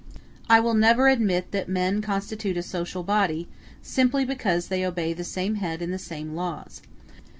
I will never admit that men constitute a social body, simply because they obey the same head and the same laws.